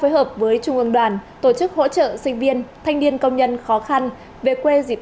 hợp với trung ương đoàn tổ chức hỗ trợ sinh viên thanh niên công nhân khó khăn về quê dịp